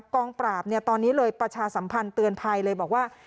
กองปราบตอนนี้เลยประชาสัมพันธ์เตือนภัยเลยบอกว่า